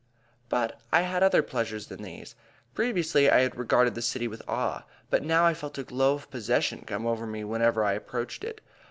But I had other pleasures than these. Previously I had regarded the City with awe, but now I felt a glow of possession come over me whenever I approached it.